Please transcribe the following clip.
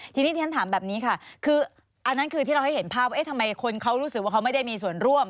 ทีนี้ที่ฉันถามแบบนี้ค่ะคืออันนั้นคือที่เราให้เห็นภาพว่าทำไมคนเขารู้สึกว่าเขาไม่ได้มีส่วนร่วม